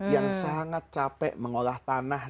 yang sangat capek mengolah tanah